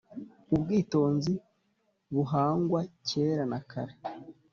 ubwitonzi buhangwa kera na kare